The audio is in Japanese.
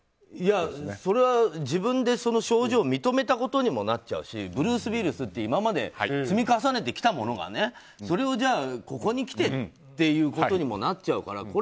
それは自分で症状を認めたことにもなっちゃうしブルース・ウィリスって今まで積み重ねてきたものをそれをここにきてっていうことにもなっちゃうから。